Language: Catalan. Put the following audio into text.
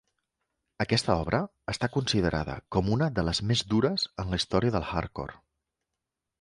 Aquesta obra està considerada com una de les més dures en la història del "hardcore".